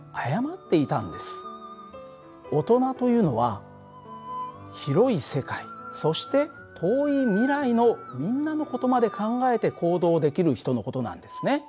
大人というのは広い世界そして遠い未来のみんなの事まで考えて行動できる人の事なんですね。